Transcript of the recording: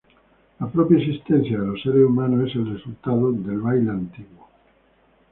La propia existencia de los seres humanos es el resultado del baile antiguo.